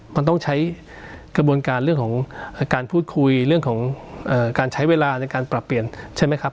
มันต้องใช้กระบวนการเรื่องของการพูดคุยเรื่องของการใช้เวลาในการปรับเปลี่ยนใช่ไหมครับ